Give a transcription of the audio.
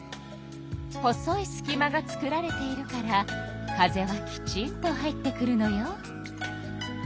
細いすき間が作られているから風はきちんと入ってくるのよ。